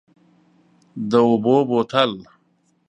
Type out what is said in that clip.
د اوبو بوتل،